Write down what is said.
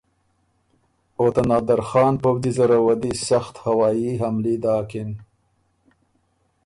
او ته نادرخان پؤځی زره وه دی سخت هوائي حملي داکِن۔